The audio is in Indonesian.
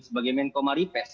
sebagai menko maripes